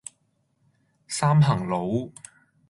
三行佬